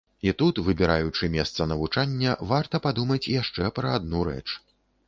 І тут, выбіраючы месца навучання, варта падумаць яшчэ пра адну рэч.